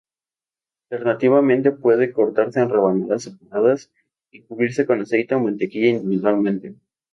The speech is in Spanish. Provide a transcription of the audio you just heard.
Alternativamente, puede cortarse en rebanadas separadas y cubrirse con aceite o mantequilla individualmente.